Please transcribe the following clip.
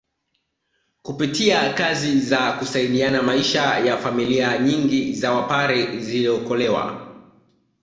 Kupitia kazi za kusaidiana maisha ya familia nyingi za Wapare ziliokolewa